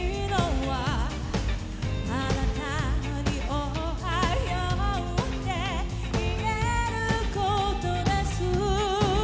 「あなたに『おはよう』って言えることです」